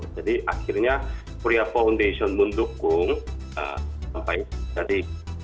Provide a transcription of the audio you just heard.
jadi akhirnya korea foundation mendukung sampai jadi